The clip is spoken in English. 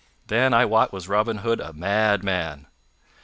Then, I wot, was Robin Hood a mad man.